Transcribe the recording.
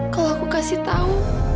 kalau aku kasih tau